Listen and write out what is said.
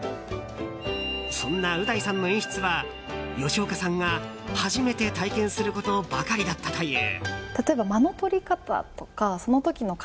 そんなう大さんの演出は吉岡さんが初めて体験することばかりだったという。